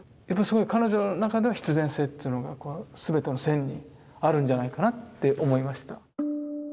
やっぱりすごい彼女の中では必然性っつうのが全ての線にあるんじゃないかなって思いました。